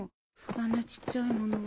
あんなちっちゃいものは。